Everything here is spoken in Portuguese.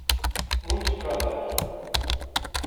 Muito trabalho